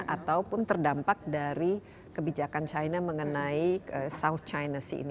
ataupun terdampak dari kebijakan china mengenai south china sea ini